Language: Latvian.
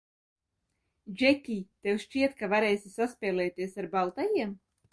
Džekij, tev šķiet, ka varēsi saspēlēties ar baltajiem?